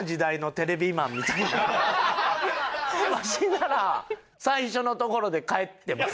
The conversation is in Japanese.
わしなら最初のところで帰ってます。